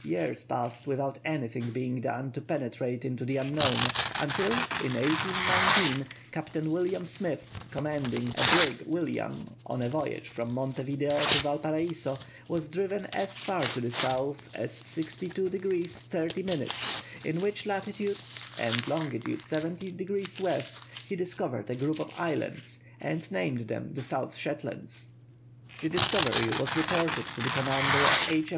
Years passed without anything being done to penetrate into the unknown, until, in 1819, Captain William Smith, commanding the brig William, on a voyage from Monte Video to Valparaiso, was driven as far to the south as 62° 30', in which latitude and longitude 60° W. he discovered a group of islands and named them the South Shetlands. The discovery was reported to the commander of H.